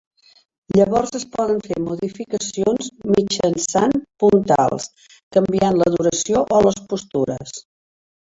Llavors es poden fer modificacions mitjançant puntals, canviant la duració o les postures.